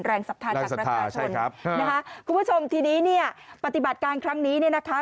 คุณผู้ชมที่นี้เนี่ยปฏิบัติการครั้งนี้เนี่ยนะคะ